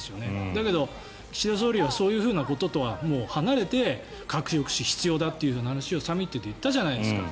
だけど、岸田総理はそういうこととはもう離れて核抑止が必要だという話をサミットで言ったじゃないですか。